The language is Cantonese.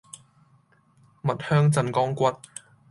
蜜香鎮江骨